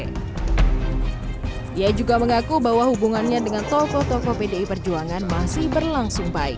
dia juga mengaku bahwa hubungannya dengan tokoh tokoh pdi perjuangan masih berlangsung baik